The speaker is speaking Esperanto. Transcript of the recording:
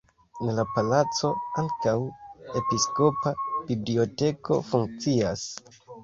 En la palaco ankaŭ episkopa biblioteko funkcias.